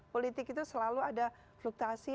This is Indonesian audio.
politik itu selalu ada fluktasi